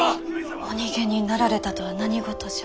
お逃げになられたとは何事じゃ。